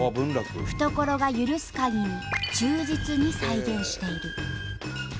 懐が許すかぎり忠実に再現している。